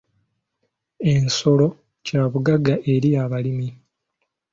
Ensolo kyabugagga eri abalimi.